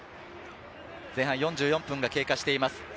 前半４４分が経過しています。